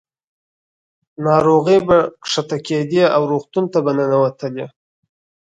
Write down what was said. ناروغۍ به ښکته کېدې او روغتون ته به ننوتلې.